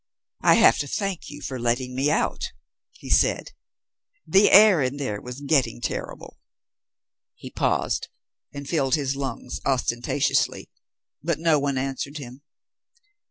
"I have to thank you for letting me out," he said. "The air in there was getting terrible." He paused, and filled his lungs ostentatiously, but no one answered him.